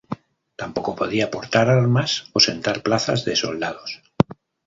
Tampoco podían portar armas o sentar plazas de soldados.